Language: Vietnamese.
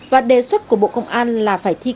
và đề xuất của bộ công an là phải thi công